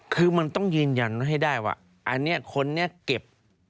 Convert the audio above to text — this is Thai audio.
คือมันต้องยืนยันให้ได้ว่าอันนี้คนนี้เก็บ